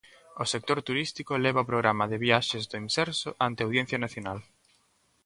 O sector turístico leva o programa de viaxes do Imserso ante a Audiencia Nacional.